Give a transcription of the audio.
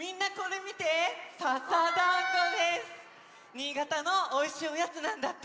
新潟のおいしいおやつなんだって！